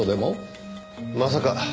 まさか。